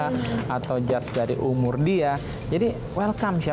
saya tidak mau judge dari education background dia